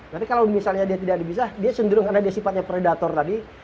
tapi kalau misalnya dia tidak dipisah dia cenderung karena dia sifatnya predator tadi